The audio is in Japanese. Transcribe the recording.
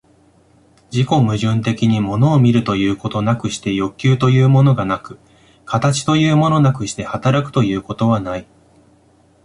自己矛盾的に物を見るということなくして欲求というものがなく、形というものなくして働くということはない。